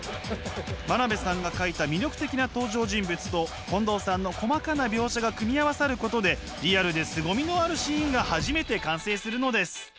真鍋さんが描いた魅力的な登場人物と近藤さんの細かな描写が組み合わさることでリアルですごみのあるシーンが初めて完成するのです。